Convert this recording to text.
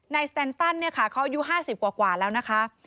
นายสแตนตันเขาอายุ๕๐กว่าแล้วนะคะ